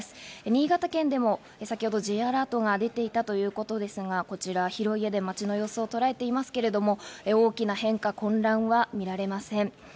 新潟県でも先ほどＪアラートが出ていたということですが、こちら広い画で街の様子をとらえていますけれども、大きな変化や混乱は見られません。